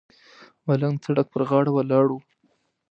ملنګ د سړک پر غاړه ولاړ و.